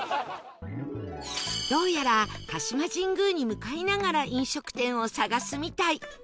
どうやら鹿島神宮に向かいながら飲食店を探すみたい